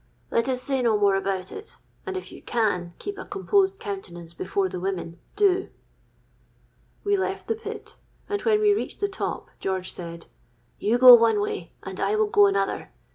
Let us say no more about it; and if you can keep a composed countenance before the women, do.' "We left the pit; and when we reached the top, George said, 'You go one way, and I will go another.